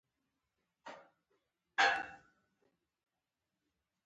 د حشراتو کنټرول د کرنیزو حاصلاتو ثبات ساتي.